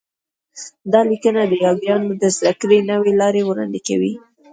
دا لیکنه د یاګانو د زده کړې نوې لار وړاندې کوي